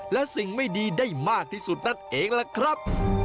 และสิ่งไม่ดีได้มากที่สุดนั่นเองล่ะครับ